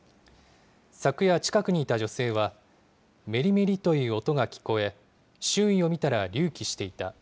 昨夜、近くにいた女性は、めりめりという音が聞こえ、周囲を見たら隆起していた。